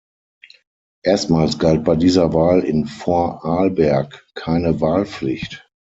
Erstmals galt bei dieser Wahl in Vorarlberg keine Wahlpflicht.